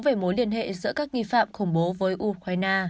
về mối liên hệ giữa các nghi phạm khủng bố với ukraine